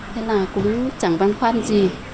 thế là cũng chẳng văn khoan gì